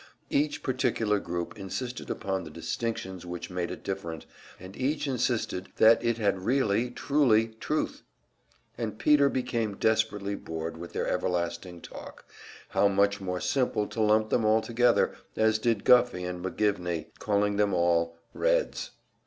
Each particular group insisted upon the distinctions which made it different, and each insisted that it had the really, truly truth; and Peter became desperately bored with their everlasting talk how much more simple to lump them all together, as did Guffey and McGivney, calling them all "Reds!"